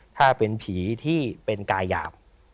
ถ้าเป็นผีที่เป็นกายหยาบ